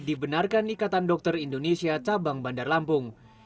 dibenarkan ikatan dokter indonesia cabang bandar lampung